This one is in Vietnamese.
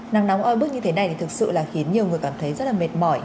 nắng nóng oi bức như thế này thì thực sự là khiến nhiều người cảm thấy rất là mệt mỏi